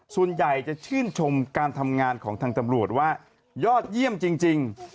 ส่วนใหญ่จะชื่นชมการทำงานของทางตำรวจว่ายอดเยี่ยมจริง